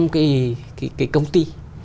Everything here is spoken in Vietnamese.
cái công ty